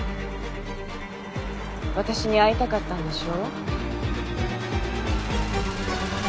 私に会いたかったんでしょ？